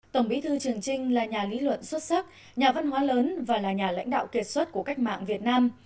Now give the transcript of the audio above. tổng bí thư trường trinh là nhà lý luận xuất sắc nhà văn hóa lớn và là nhà lãnh đạo kiệt xuất của cách mạng việt nam